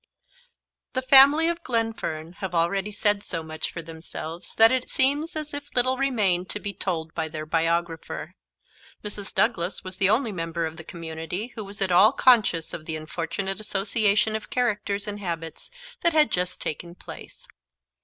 THE family of Glenfern have already said so much for themselves that it seems as if little remained to be told by their biographer. Mrs. Douglas was the only member of the community who was at all conscious of the unfortunate association of characters and habits that had just taken place.